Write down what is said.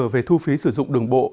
về thu phí sử dụng đường bộ